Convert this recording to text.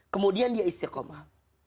kemudian dia istiqomah